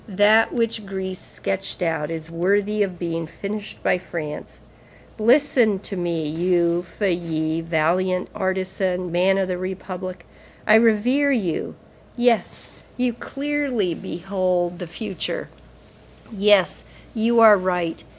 That which Greece sketched out is worthy of being finished by France. Listen to me, you, Feuilly, valiant artisan, man of the people. I revere you. Yes, you clearly behold the future, yes, you are right.